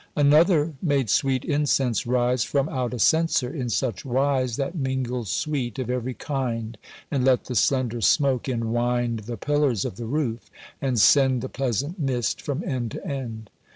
Another made sweet incense rise From out a censer in such wise That mingled sweet of every kind, And let the slender smoke enwind The pillars of the roof, and send The pleasant mist from end to end.